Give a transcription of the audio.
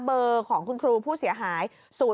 เบอร์ของคุณครูผู้เสียหาย